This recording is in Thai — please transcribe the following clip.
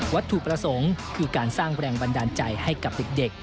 ถูกประสงค์คือการสร้างแรงบันดาลใจให้กับเด็ก